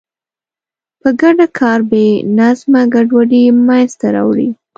په ګډه کار بې له نظمه ګډوډي منځته راوړي.